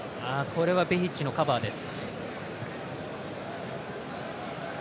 これはベヒッチのカバーです。